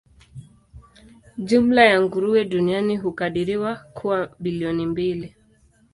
Jumla ya nguruwe duniani hukadiriwa kuwa bilioni mbili.